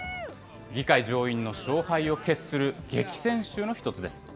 議会上院の勝敗を決する激戦州の１つです。